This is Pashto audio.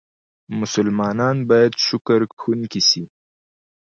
مسلمانان بايد شکرکښونکي سي.